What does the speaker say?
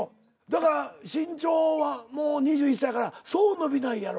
だから身長はもう２１歳からそう伸びないやろうしね。